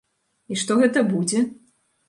І што гэта будзе?